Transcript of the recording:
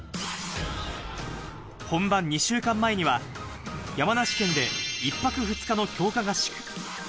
本番２週間前には山梨県で１泊２日の強化合宿。